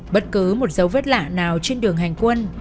bất cứ một dấu vết lạ nào trên đường hành quân